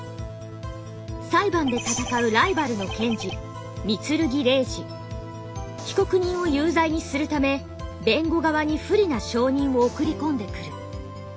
裁判でたたかう被告人を有罪にするため弁護側に不利な証人を送り込んでくる。